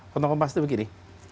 potong kompas itu begini